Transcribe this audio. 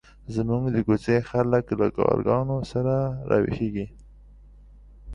زموږ د کوڅې خلک له کارګانو سره راویښېږي.